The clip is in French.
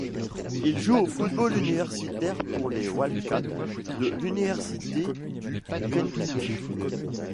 Il joue au football universitaire pour les Wildcats de l'université du Kentucky.